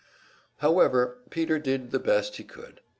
However, Peter did the best he could.